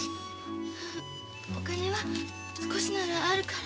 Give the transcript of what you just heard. お金は少しならあるから。